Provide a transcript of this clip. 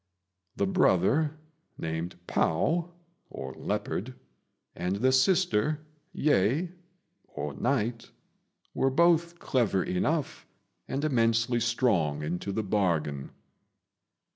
The brother, named Pao [Leopard], and the sister, Yeh [Night], were both clever enough, and immensely strong into the bargain.